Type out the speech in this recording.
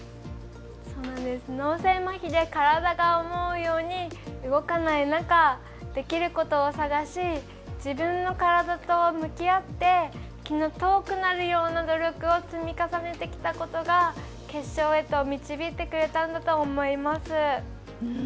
脳性まひで体が思うように動かない中、できることを探し自分の体と向き合って気の遠くなるような努力を積み重ねてきたことが決勝へと導いてくれたんだと思います。